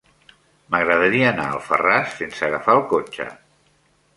M'agradaria anar a Alfarràs sense agafar el cotxe.